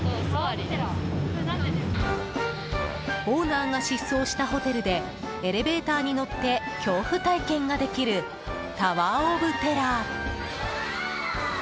オーナーが失踪したホテルでエレベーターに乗って恐怖体験ができるタワー・オブ・テラー。